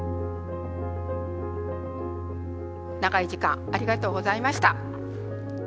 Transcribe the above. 長い時間ありがとうございました。